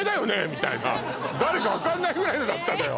みたいな誰か分かんないぐらいのだったのよ